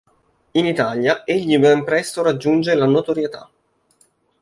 In Italia egli ben presto raggiunge la notorietà.